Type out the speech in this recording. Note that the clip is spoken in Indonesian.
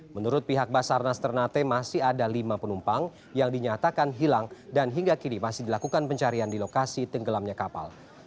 menurut pihak basarnas ternate masih ada lima penumpang yang dinyatakan hilang dan hingga kini masih dilakukan pencarian di lokasi tenggelamnya kapal